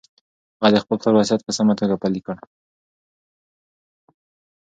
هغه د خپل پلار وصیت په سمه توګه پلي کړ.